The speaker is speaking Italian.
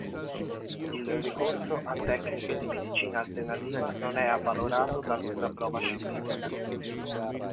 Il ricorso a tecniche di medicina alternativa non è avvalorato da alcuna prova scientifica.